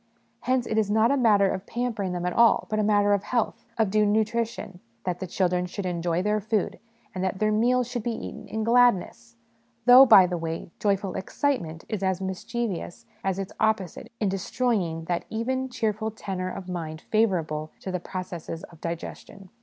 Hence it is not a matter of pampering them at all, but a matter of health, of due nutrition, that the children should enjoy their food, and that their meals should be eaten in gladness ; though, by the way, joyful excitement is as mischievous as its opposite in destroy ing that even, cheerful tenor of mind favourable to the processes of digestion.